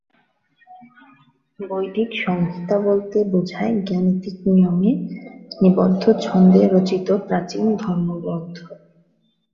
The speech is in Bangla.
বৈ দিক সংহিতা বলতে বোঝায় গাণিতিক নিয়মে নিবদ্ধ ছন্দে রচিত প্রাচীন ধর্মগ্রন্থ।